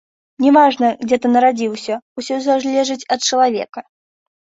Не важна, дзе ты нарадзіўся, усё залежыць ад чалавека.